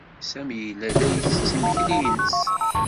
Sami yella la isett imekli-ines.